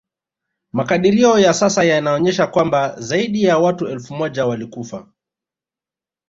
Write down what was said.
Makadirio ya sasa yanaonesha kwamba zaidi ya watu elfu moja walikufa